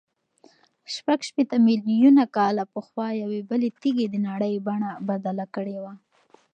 شپږ شپېته میلیونه کاله پخوا یوې بلې تېږې د نړۍ بڼه بدله کړې وه.